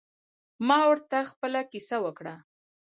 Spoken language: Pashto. ما ورته خپله کیسه وکړه.